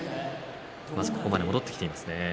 ここまで戻ってきていますね。